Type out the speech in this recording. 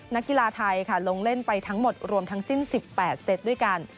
นักกีฬาไทยค่ะลงเล่นไปทั้งหมดรวมทั้งสิ้น๑๘เซตด้วยกัน